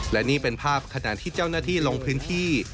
และนี่เป็นภาพขณะที่เจ้าหน้าที่ลงพื้นที่